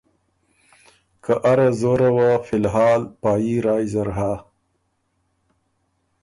که اره زوره وه فی الحال پا يي رایٛ زر هۀ۔